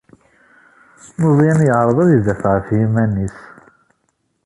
Meẓẓyan yeɛreḍ ad idafeɛ ɣef yiman-is.